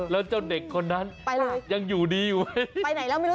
แล้วเจ้าเด็กคนนั้นยังอยู่ดีอยู่เหรอคะโห้ไปเลย